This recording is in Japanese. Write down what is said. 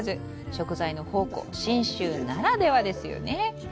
食材の宝庫・信州ならではですよね。